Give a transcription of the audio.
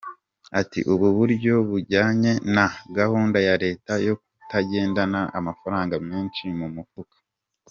Ati “Ubu buryo bujyanye na gahunda ya Leta yo kutagendana amafaranga menshi mu mufuka.